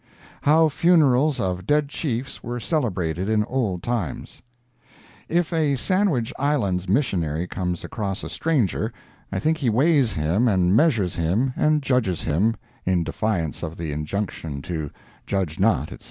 HOW FUNERALS OF DEAD CHIEFS WERE CELEBRATED IN OLD TIMES If a Sandwich Islands missionary comes across a stranger, I think he weighs him and measures him and judges him (in defiance of the injunction to "Judge not, etc.")